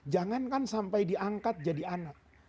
jangankan sampai diangkat jadi anak